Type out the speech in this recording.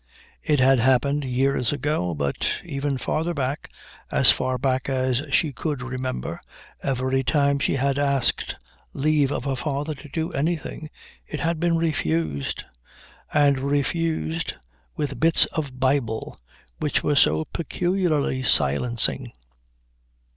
It had happened years ago, but even farther back, as far back as she could remember, every time she had asked leave of her father to do anything it had been refused; and refused with bits of Bible, which was so peculiarly silencing.